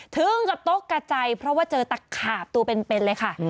ถึงกับตกกระจายเพราะว่าเจอตะขาบตัวเป็นเลยค่ะ